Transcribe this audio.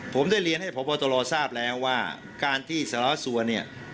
ผมได้เรียนให้พบตรวจทราบแล้วว่าการที่ซัวร์ต้องล้มสลายเนี่ย